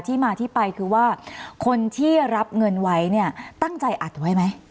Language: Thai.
ที่มาที่ไปคือว่าคนที่รับเงินไว้เนี่ยตั้งใจอัดไว้ไหม